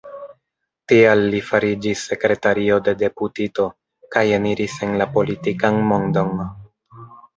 Tial li fariĝis sekretario de deputito, kaj eniris en la politikan mondon.